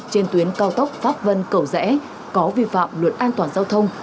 trên tuyến cao tốc pháp vân cầu rẽ có vi phạm luật an toàn giao thông